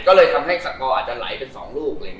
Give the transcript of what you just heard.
ก็เลยทำให้สังเกาะอาจจะไหลเป็น๒รูป